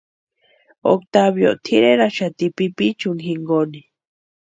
Octavio tʼireraxati pipichuni jinkoni.